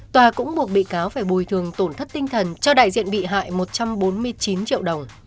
tòa cũng buộc bị cáo phải bồi thường tổn thất tinh thần cho đại diện bị hại một trăm bốn mươi chín triệu đồng